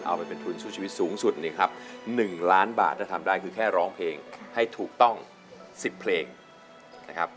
เอาไปเป็นทุนสู้ชีวิตสูงสุดเนี่ยครับ๑ล้านบาทถ้าทำได้คือแค่ร้องเพลงให้ถูกต้อง๑๐เพลงนะครับ